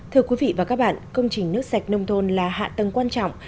thưa quý vị và các bạn công trình nước sạch nông thôn là hạ tầng quan trọng